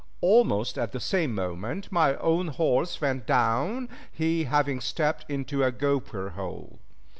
Almost at the same moment my own horse went down, he having stepped into a gopher hole.